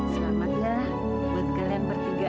selamat ya buat kalian bertiga